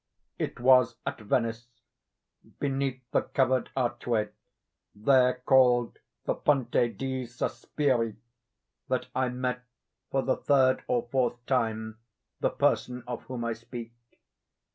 It was at Venice, beneath the covered archway there called the Ponte di Sospiri, that I met for the third or fourth time the person of whom I speak.